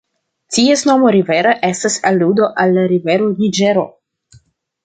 Ties nomo "Rivera" estas aludo al la rivero Niĝero.